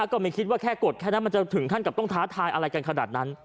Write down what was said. ก็ไม่คิดว่าแค่กดแค่นั้นมันจะถึงขั้นกับต้องท้าทายอะไรกันขนาดนั้น